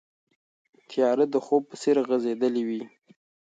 تیاره د خوب په څېر غځېدلې وه.